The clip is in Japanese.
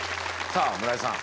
さあ村井さん